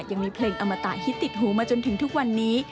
ยังมีเพลงอมตะฮิตติดหูมาจนถึงทุกวันนี้